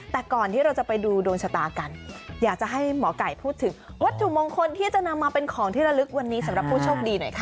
แต่ก่อนที่เราจะไปดูดวงชะตากันอยากจะให้หมอไก่พูดถึงวัตถุมงคลที่จะนำมาเป็นของที่ระลึกวันนี้สำหรับผู้โชคดีหน่อยค่ะ